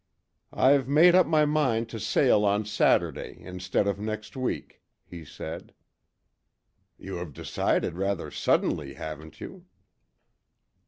"I've made up my mind to sail on Saturday, instead of next week," he said. "You have decided rather suddenly, haven't you?"